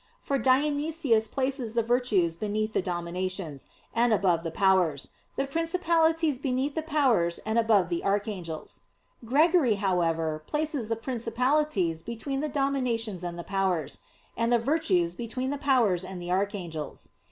For Dionysius places the "Virtues" beneath the "Dominations," and above the "Powers"; the "Principalities" beneath the "Powers" and above the "Archangels." Gregory, however, places the "Principalities" between the "Dominations" and the "Powers"; and the "Virtues" between the "Powers" and the "Archangels."